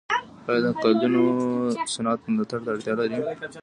آیا د قالینو صنعت ملاتړ ته اړتیا لري؟